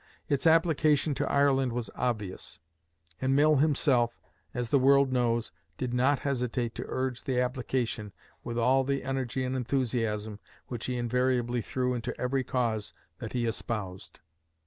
Its application to Ireland was obvious; and Mill himself, as the world knows, did not hesitate to urge the application with all the energy and enthusiasm which he invariably threw into every cause that he espoused.